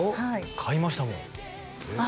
買いましたもんああ